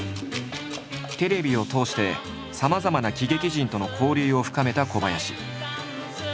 テレビを通してさまざまな喜劇人との交流を深めた小林。